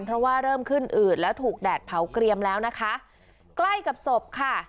เพราะว่าเริ่มขึ้นอืดแล้วถูกแดดเผาเกรียมแล้วนะคะใกล้กับศพค่ะ